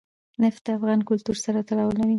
نفت د افغان کلتور سره تړاو لري.